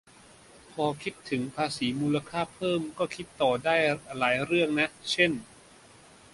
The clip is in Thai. พอคิดถึงภาษีมูลค่าเพิ่ม ก็คิดต่อได้หลายเรื่องนะ เช่น